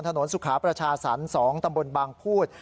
ถนนสุขาประชาศรรย์๒ตำบลบางภูต